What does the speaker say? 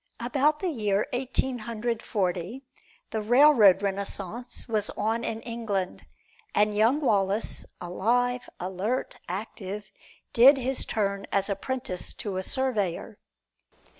About the year Eighteen Hundred Forty, the railroad renaissance was on in England, and young Wallace, alive, alert, active, did his turn as apprentice to a surveyor.